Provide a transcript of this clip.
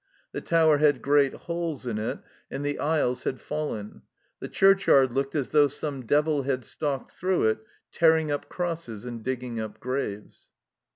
The tower had great holes in it, and the aisles had fallen. The churchyard looked as though some devil had stalked through it tearing up crosses and digging up graves."